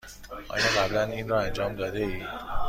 آیا قبلا این را انجام داده ای؟